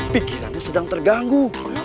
pikirannya sedang terganggu